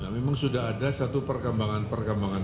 memang sudah ada satu perkembangan perkembangan